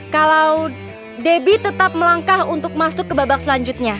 kalau debbie tetap melangkah untuk masuk ke babak selanjutnya